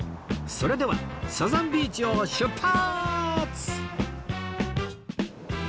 それではサザンビーチを出発！